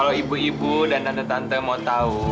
kalau ibu ibu dan tante tante mau tahu